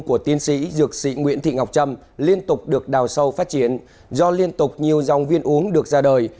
của tiến sĩ dược sĩ nguyễn thị ngọc trâm liên tục được đào sâu phát triển do liên tục nhiều dòng viên uống được ra đời